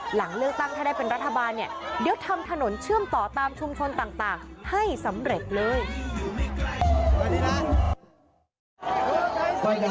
หลังเลือกตั้งถ้าได้เป็นรัฐบาลเนี่ยเดี๋ยวทำถนนเชื่อมต่อตามชุมชนต่างให้สำเร็จเลย